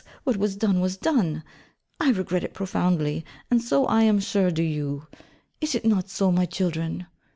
what was done, was done. I regret it profoundly: and so I am sure do you, is it not so, my children?'